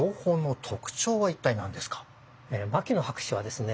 牧野博士はですね